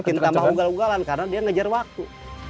bikin tambah ugal ugalan karena dia ngejar waktu